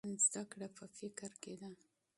زده کړه په فکر کې ده.